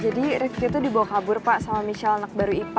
jadi rifqi itu dibawa kabur pak sama michelle anak baru ipa